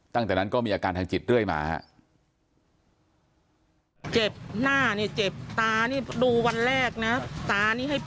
ตั้งแต่นั้นก็มีอาการทางจิตเรื่อยมาฮะ